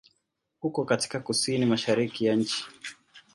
Uko katika kusini-mashariki ya nchi.